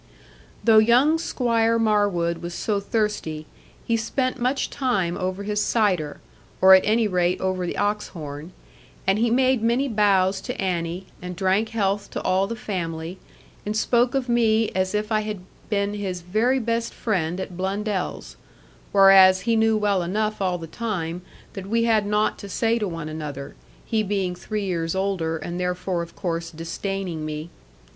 Though young Squire Marwood was so thirsty, he spent much time over his cider, or at any rate over the ox horn, and he made many bows to Annie, and drank health to all the family, and spoke of me as if I had been his very best friend at Blundell's; whereas he knew well enough all the time that we had nought to say to one another; he being three years older, and therefore of course disdaining me.